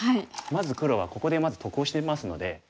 まず黒はここで得をしてますので。